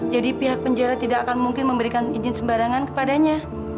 jadi pihak penjara tidak akan mungkin memberikan izin sembarangan kepadanya